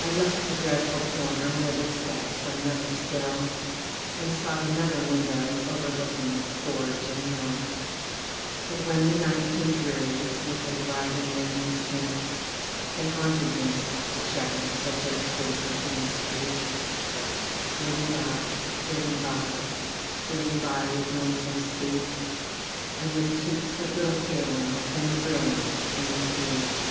I left the dreadful corner where the steps are never still, And sought another window overlooking gorge and hill; But when the night came dreary with the driving rain and sleet, They haunted me the shadows of those faces in the street, Flitting by, flitting by, Flitting by with noiseless feet, And with cheeks but little paler than the real ones in the street.